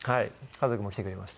家族も来てくれました。